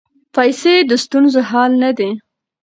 پیسې د ستونزو حل نه دی.